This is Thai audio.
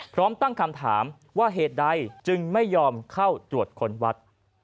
พร้อมตั้งคำถามว่าเหตุใดจึงไม่ยอมเข้าตรวจค้นวัด